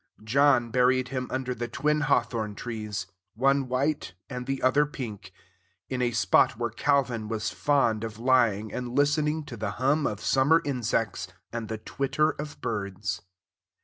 John buried him under the twin hawthorn trees, one white and the other pink, in a spot where Calvin was fond of lying and listening to the hum of summer insects and the twitter of birds.